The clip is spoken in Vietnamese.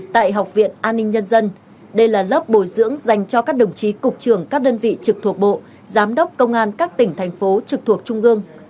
tại học viện an ninh nhân dân đây là lớp bồi dưỡng dành cho các đồng chí cục trưởng các đơn vị trực thuộc bộ giám đốc công an các tỉnh thành phố trực thuộc trung ương